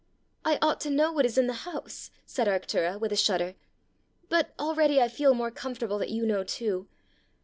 "I ought to know what is in the house!" said Arctura, with a shudder. "But already I feel more comfortable that you know too.